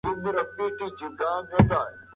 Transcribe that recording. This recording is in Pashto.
مقاومت مې یوازینۍ لاره وه.